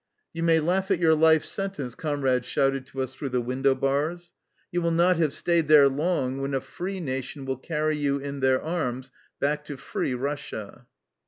" You may laugh at your life sentence," com rades shouted to us through the window bars. ^' You will not have stayed there long when a free nation will carry you in their arms back to free Russia."